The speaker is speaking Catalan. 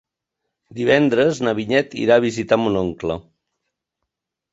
Divendres na Vinyet irà a visitar mon oncle.